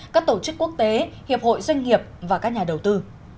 các tổ chức quốc tế hiệp hội doanh nghiệp và các nhà đầu tư